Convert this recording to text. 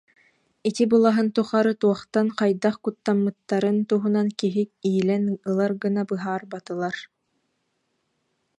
Ити былаһын тухары туохтан, хайдах куттаммыттарын туһунан киһи иилэн ылар гына быһаарбатылар